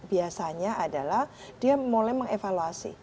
biasanya adalah dia mulai mengevaluasi